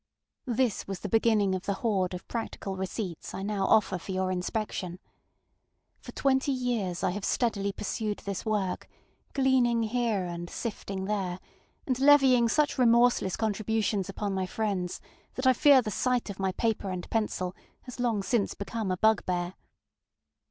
This was the beginning of the hoard of practical receipts I now offer for your inspection. For twenty years, I have steadily pursued this work, gleaning here and sifting there, and levying such remorseless contributions upon my friends, that I fear the sight of my paper and pencil has long since become a bugbear.